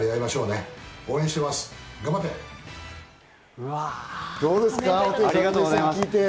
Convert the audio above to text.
うわぁ、ありがとうございます！